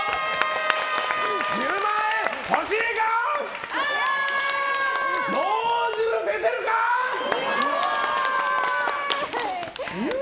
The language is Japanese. １０万円、欲しいかー！